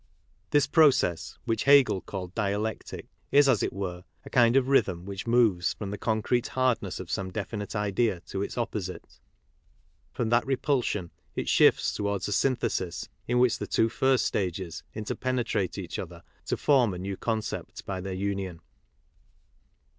This process, which Hegel called dialectic, is, as it were, a kind of rhythm which moves from the concrete hardness of some definite idea to its opposite ; from that repulsion it shifts towards a synthesis in which the two first stages interpenetrate each other to form a new concept by their union.